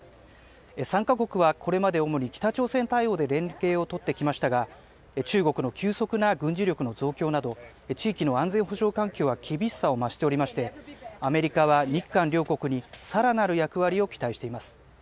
３か国はこれまで主に北朝鮮対応で連携を取ってきましたが、中国の急速な軍事力の増強など、地域の安全保障環境は厳しさを増しておりまして、アメリカは日韓両国にさらなる役割を期待しています。